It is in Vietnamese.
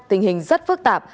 tình hình rất phức tạp